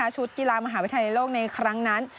ชุดกีฬามหาวิทยาลัยโลกในครั้งนั้น